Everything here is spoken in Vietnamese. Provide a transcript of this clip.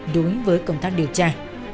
đối với công tác điều tra